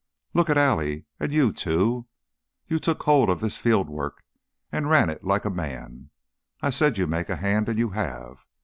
"Look at Allie! And, you, too! You took hold of this field work and ran it like a man. I said you'd make a hand, and you have.